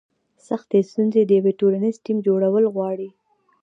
سختې ستونزې د یو ټولنیز ټیم جوړول غواړي.